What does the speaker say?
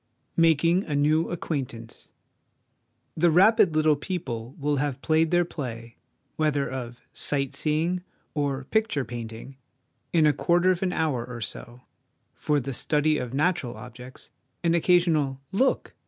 Making a New Acquaintance. The rapid little people will have played their play, whether of 'sight seeing' or 'picture painting,' in a quarter of an hour or so ; for the study of natural objects, an occasional ' Look